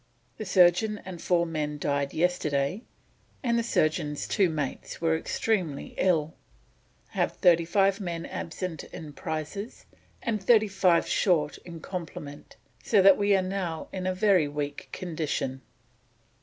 The surgeon and four men died yesterday, and the surgeon's two mates are extremely ill: have thirty five men absent in prizes and thirty five short of complement, so that we are now in a very weak condition."